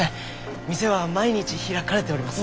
店は毎日開かれております。